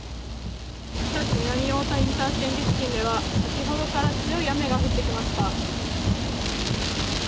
日立南太田インターチェンジ付近では、先ほどから強い雨が降ってきました。